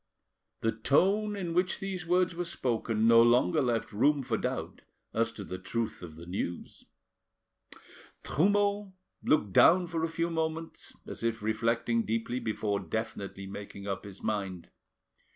The tone in which these words were spoken no longer left room for doubt as to the truth of the news. Trumeau looked down for a few moments, as if reflecting deeply before definitely making up his mind.